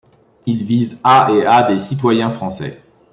Il vise à et à des citoyens français.